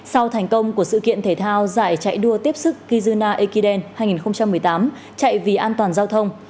sau thành công của sự kiện thể thao giải chạy đua tiếp sức kizuna ekiden hai nghìn một mươi tám chạy vì an toàn giao thông